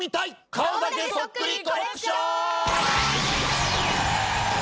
顔だけそっくりコレクション！